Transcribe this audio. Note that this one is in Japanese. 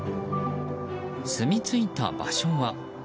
すみついた場所は。